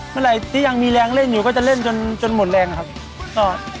เมื่อไหร่ที่ยังมีแรงเล่นอยู่ก็จะเล่นจนหมดแรงครับ